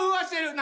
何？